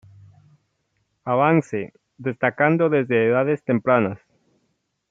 Avance, destacando desde edades tempranas.